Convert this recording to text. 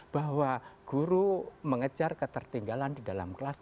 bahwa guru mengejar ketertinggalan di dalam kelas